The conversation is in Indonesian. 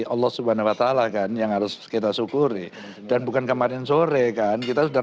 allah swt kan yang harus kita syukuri dan bukan kemarin sore kan kita sudah